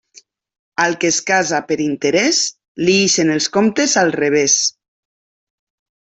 Al que es casa per interés, li ixen els comptes al revés.